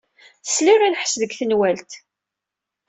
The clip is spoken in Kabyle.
Sliɣ i lḥess deg tenwalt.